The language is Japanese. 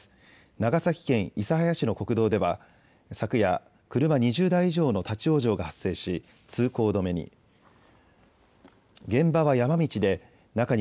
長崎県諫早市の国道では昨夜、車２０台以上の立往生が発生し通行止めに。